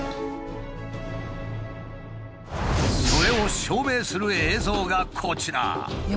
それを証明する映像がこちら。